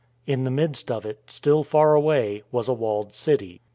In the midst of it, still far away, was a walled city.